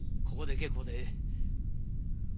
ここで結構で。